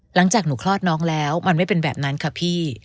หลังจากหนูคลอดน้องแล้วมันไม่เป็นแบบนั้นค่ะพี่